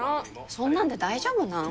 そんなんで大丈夫なん？